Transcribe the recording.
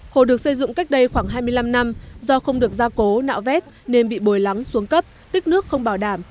hồ được xây dựng cách đây khoảng hai mươi năm năm do không được gia cố nạo vét nên bị bồi lắng xuống cấp tích nước không bảo đảm